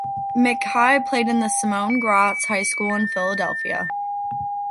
McKie played in the Simon Gratz high school in Philadelphia.